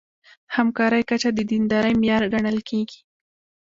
همکارۍ کچه د دیندارۍ معیار ګڼل کېږي.